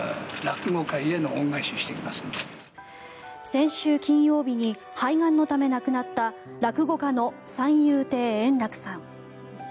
先週金曜日に肺がんのため亡くなった落語家の三遊亭円楽さん。